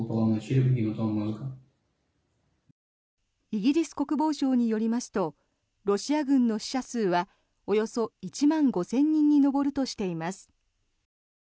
イギリス国防省によりますとロシア軍の死者数はおよそ１万５０００人に上るとしています。